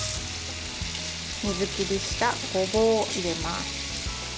水切りしたごぼうを入れます。